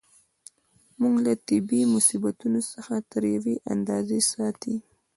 موږ له طبیعي مصیبتونو څخه تر یوې اندازې ساتي.